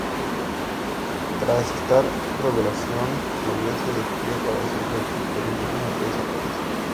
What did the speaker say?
Tras esta revelación, Claire se despide para siempre del profesor y finalmente desaparece.